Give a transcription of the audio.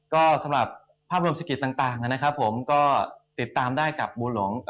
ก็สำหรับภาพรวมเศรษฐกิจต่างนะครับผมก็ติดตามได้กับบัวหลวง